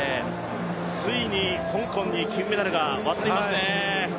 ついに香港に金メダルが渡りますね。